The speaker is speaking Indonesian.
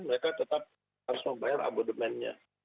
mereka tetap harus membayar abodemennya